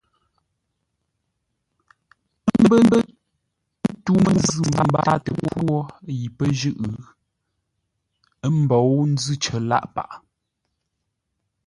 Ə́ mbə́ ntû məzʉ̂ mbáatə pwô yi pə́ jʉ́ʼ, ə́ mbou nzʉ́ cər lâʼ paghʼə.